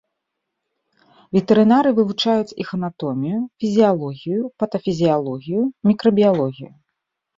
Ветэрынары вывучаюць іх анатомію, фізіялогію, патафізіялогію, мікрабіялогію.